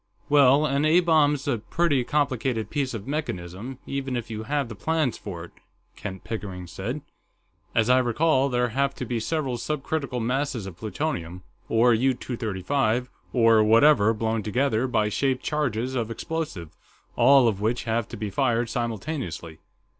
"Well, an A bomb's a pretty complicated piece of mechanism, even if you have the plans for it," Kent Pickering said. "As I recall, there have to be several subcritical masses of plutonium, or U 235, or whatever, blown together by shaped charges of explosive, all of which have to be fired simultaneously.